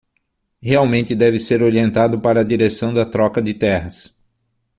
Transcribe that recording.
Realmente deve ser orientado para a direção da troca de terras